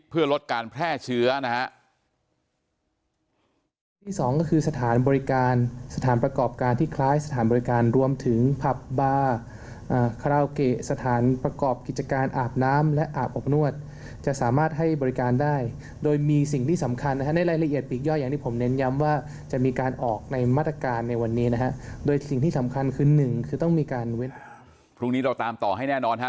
เพื่อลดการแพร่เชื้อนะฮะ